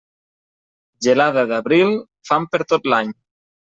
Gelada d'abril, fam per tot l'any.